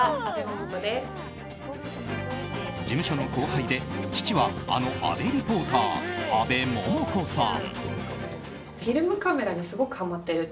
事務所の後輩で父はあの阿部リポーター阿部桃子さん。